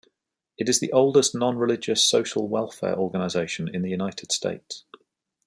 It is the oldest non-religious social welfare organization in the United States.